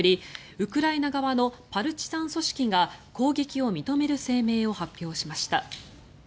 ウクライナ側のパルチザン組織が攻撃を認める声明を発表しました。